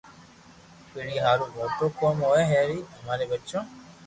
پيڙي ھارون موٽو ڪوم ھوئي ھين امري ٻچو